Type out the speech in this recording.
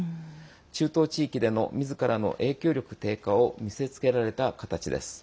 中東地域でのみずからの影響力低下を見せつけられた形です。